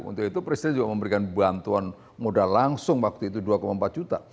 untuk itu presiden juga memberikan bantuan modal langsung waktu itu dua empat juta